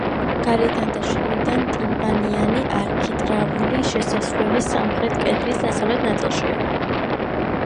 გარედან და შიგნიდან ტიმპანიანი არქიტრავული შესასვლელი სამხრეთ კედლის დასავლეთ ნაწილშია.